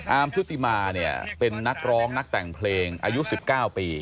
ชุติมาเนี่ยเป็นนักร้องนักแต่งเพลงอายุ๑๙ปี